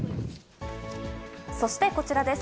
そしてこちらです。